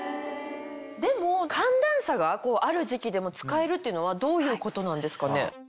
でも寒暖差がある時期でも使えるっていうのはどういうことなんですかね？